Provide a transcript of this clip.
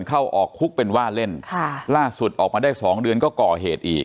เข้าออกคุกเป็นว่าเล่นค่ะล่าสุดออกมาได้สองเดือนก็ก่อเหตุอีก